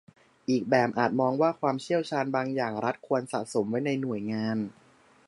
อีกแบบอาจมองว่าความเชี่ยวชาญบางอย่างรัฐควรสะสมไว้ในหน่วยงาน